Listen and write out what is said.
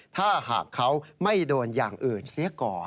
ถ้าหากเขาไม่โดนอย่างอื่นเสียก่อน